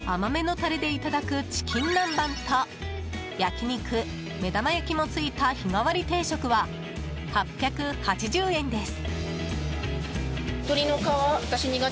大きめの鶏モモ肉をこんがりと揚げて甘めのタレでいただくチキン南蛮と焼肉、目玉焼きもついた日替わり定食は８８０円です。